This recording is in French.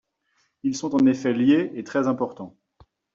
Ils sont en effet liés, et très importants.